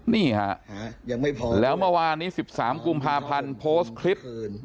นี่ฮะแล้วเมื่อวานนี้๑๓กุมภาพันธ์โพสต์คลิป